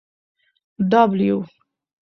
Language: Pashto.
W